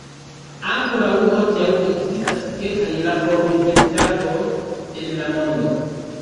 Ankoraŭ hodiaŭ ekzistas kelkaj labor-universitatoj en la mondo.